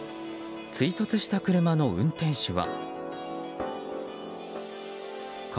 追突した車の運転手は。